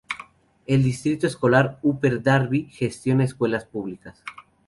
El Distrito Escolar Upper Darby gestiona escuelas públicas.